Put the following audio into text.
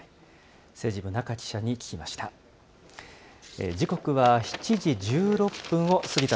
政治部、仲記者に聞きました。